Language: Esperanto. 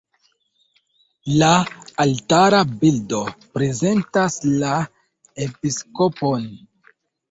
La altara bildo prezentas la episkopon.